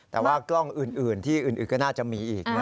แต่ว่ากล้องอื่นที่อื่นก็น่าจะมีอีกนะ